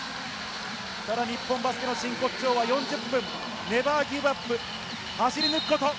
ただ、日本バスケの真骨頂は４０分、ネバーギブアップ、走り抜くこと。